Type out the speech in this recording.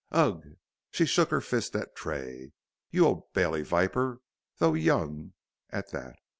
Ugh!" she shook her fist at Tray. "You Old Bailey viper, though young at that."